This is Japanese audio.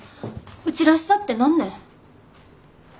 うちらしさって何ね？